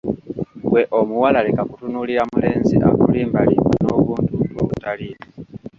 Ggwe omuwala leka kutunuulira mulenzi akulimbalimba n'obuntuntu obutaliimu!